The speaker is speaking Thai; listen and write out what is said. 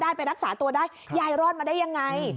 ไปรักษาตัวได้ยายรอดมาได้ยังไง